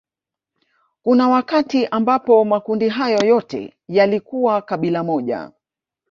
Kuna wakati ambapo makundi hayo yote yalikuwa kabila moja